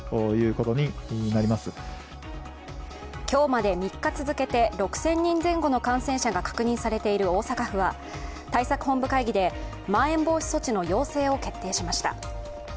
今日まで３日続けて６０００人前後の感染者が確認されている大阪府は対策本部会議でまん延防止措置の要請を決定しました。